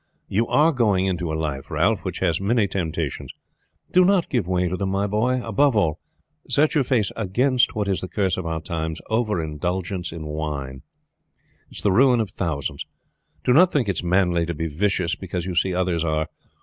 You are going into a life, Ralph, that has many temptations. Do not give way to them, my boy. Above all, set your face against what is the curse of our times: over indulgence in wine. It is the ruin of thousands. Do not think it is manly to be vicious because you see others are.